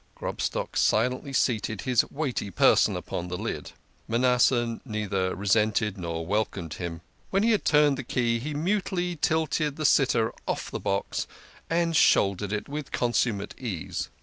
Grobstock silently seated his weighty person upon the lid. Ma nasseh neither resented nor welcomed him. When he had turned the key he mutely tilted the sit ter off the box and shouldered it with consummate ease.